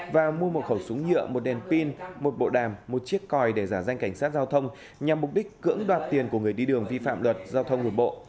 và mua một khẩu súng nhựa một đèn pin một bộ đàm một chiếc còi để giả danh cảnh sát giao thông nhằm mục đích cưỡng đoạt tiền của người đi đường vi phạm luật giao thông một bộ